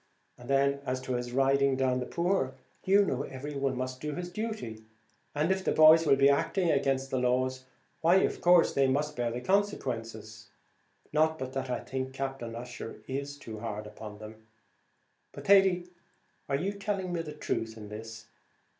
And then, as to his riding down the poor; you know every one must do his duty, and if the boys will be acting against the laws, why, of course, they must bear the consequences. Not but that I think Captain Ussher is too hard upon them. But, Thady, are you telling me the truth in this?